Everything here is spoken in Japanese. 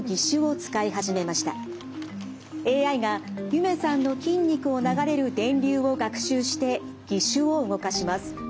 ＡＩがゆめさんの筋肉を流れる電流を学習して義手を動かします。